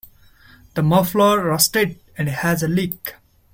The muffler rusted and has a leak.